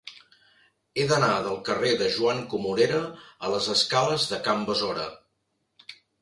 He d'anar del carrer de Joan Comorera a les escales de Can Besora.